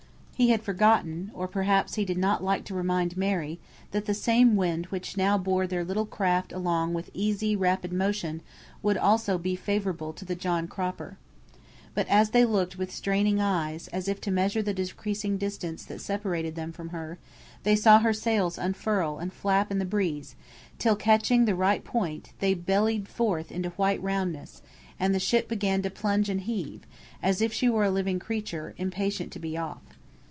He had forgotten (or perhaps he did not like to remind Mary) that the same wind which now bore their little craft along with easy, rapid motion, would also be favourable to the John Cropper. But as they looked with straining eyes, as if to measure the decreasing distance that separated them from her, they saw her sails unfurled and flap in the breeze, till, catching the right point, they bellied forth into white roundness, and the ship began to plunge and heave, as if she were a living creature, impatient to be off.